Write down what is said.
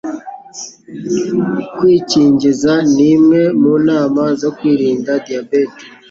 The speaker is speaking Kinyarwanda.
Kwikingiza ni imwe mu nama zo kwirinda diyabete